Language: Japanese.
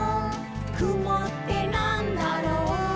「くもってなんだろう？」